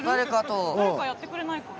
誰かやってくれないかな？